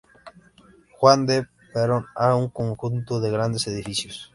Juan D. Perón hay un conjunto de grandes edificios.